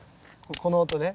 この音ね。